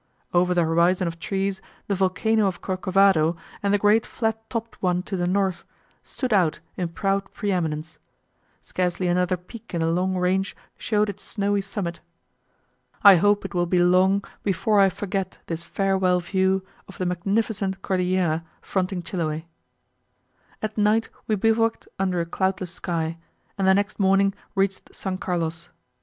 Over the horizon of trees, the volcano of Corcovado, and the great flat topped one to the north, stood out in proud pre eminence: scarcely another peak in the long range showed its snowy summit. I hope it will be long before I forget this farewell view of the magnificent Cordillera fronting Chiloe. At night we bivouacked under a cloudless sky, and the next morning reached S. Carlos.